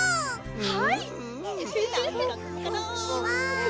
はい！